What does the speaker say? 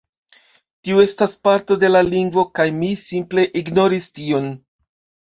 Tio estas parto de la lingvo" kaj mi simple ignoris tion.